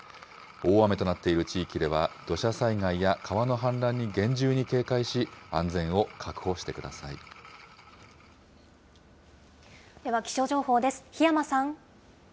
大雨となっている地域では土砂災害や川の氾濫に厳重に警戒し、安では気象情報です。